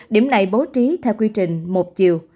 điểm này bố trí theo quy trình một chiều